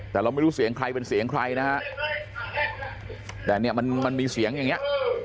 แต่เราไม่รู้เสียงใครเป็นเสียงใครนะฮะแต่เนี่ยมันมันมีเสียงอย่างเงี้ย